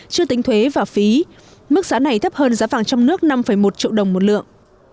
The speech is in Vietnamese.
chưa tính thuế và phí mức giá này thấp hơn giá vàng trong nước năm một triệu đồng một lượng